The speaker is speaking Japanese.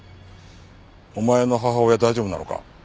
お前の母親大丈夫なのか？